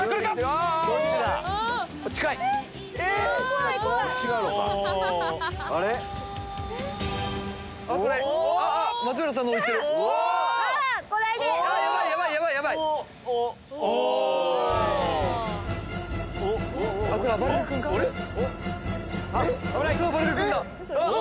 えっ⁉危ない！